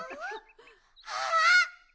あっ！